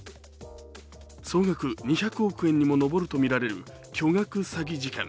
総額２００億円にも上るとみられる巨額詐欺事件。